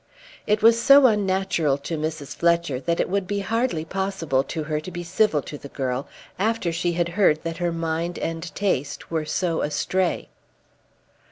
It was so unnatural to Mrs. Fletcher that it would be hardly possible to her to be civil to the girl after she had heard that her mind and taste were so astray.